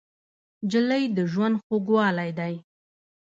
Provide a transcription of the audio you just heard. نجلۍ د ژوند خوږوالی دی.